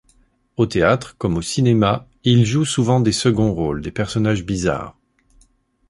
Au théâtre comme au cinéma, il joue souvent des seconds rôles, des personnages bizarres.